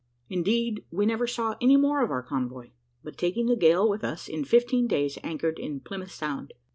Indeed, we never saw any more of our convoy, but taking the gale with us, in fifteen days anchored in Plymouth Sound.